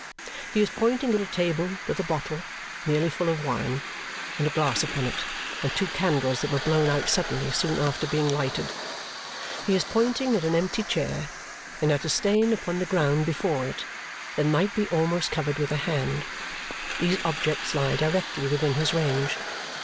He is pointing at a table with a bottle (nearly full of wine) and a glass upon it and two candles that were blown out suddenly soon after being lighted. He is pointing at an empty chair and at a stain upon the ground before it that might be almost covered with a hand. These objects lie directly within his range.